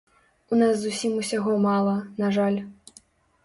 У нас зусім усяго мала, на жаль.